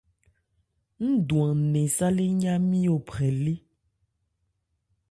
Ń dwan nnɛn sâlé ńyá-nmí ophrɛ lé.